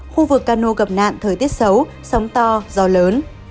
khu vực cano gặp nạn thời tiết xấu sóng to gió lớn